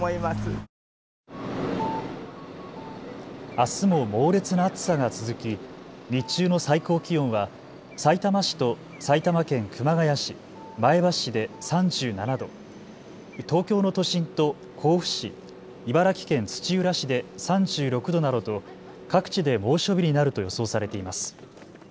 あすも猛烈な暑さが続き日中の最高気温はさいたま市と埼玉県熊谷市、前橋市で３７度、東京の都心と甲府市、茨城県土浦市で３６度などと各地で猛暑日になると予想されています。